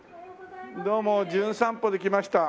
どうも『じゅん散歩』で来ました